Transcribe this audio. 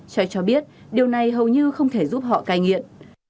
cho biết điều này hầu như không thể giúp họ cai nghiện